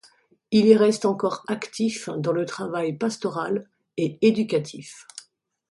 Il y reste encore actif dans le travail pastoral et éducatif.